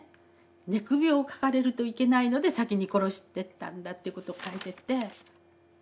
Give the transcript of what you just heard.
寝首をかかれるといけないので先に殺してったんだということを書いてて。